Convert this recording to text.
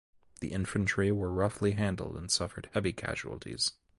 The infantry were roughly handled and suffered heavy casualties.